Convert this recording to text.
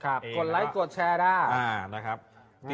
กดไลค์กดแชร์ได้